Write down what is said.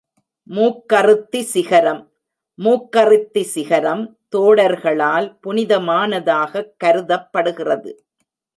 மூக்கறுத்தி சிகரம் மூக்கறுத்தி சிகரம் தோடர்களால் புனிதமானதாகக் கருதப்படுகிறது.